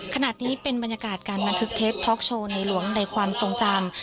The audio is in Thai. ขณะนี้เป็นบรรยากาศการบันทึกเทปท็อกโชว์ในหลวงในความทรงจำ